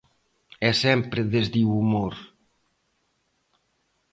E sempre desde o humor.